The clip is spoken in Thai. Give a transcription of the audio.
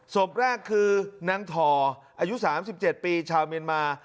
ศพแรกคือนางธออายุสามสิบเจ็ดปีชาวเมียนมา